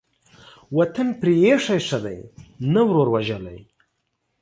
وطن پرې ايښى ښه دى ، نه ورور وژلى.